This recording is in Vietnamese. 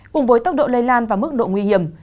cùng với tốc độ lây lan và mức độ nguy hiểm